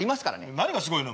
何がすごいの？